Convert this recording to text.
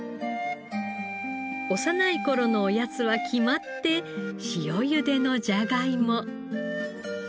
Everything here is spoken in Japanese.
幼い頃のおやつは決まって塩ゆでのじゃがいも。